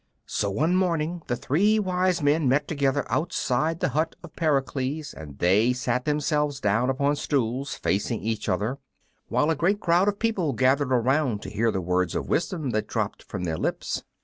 So one morning the three wise men met together outside the hut of Pericles, and they sat themselves down upon stools, facing each other, while a great crowd of people gathered around to hear the words of wisdom that dropped from their lips.